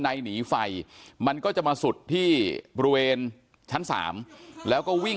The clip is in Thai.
หนีไฟมันก็จะมาสุดที่บริเวณชั้น๓แล้วก็วิ่ง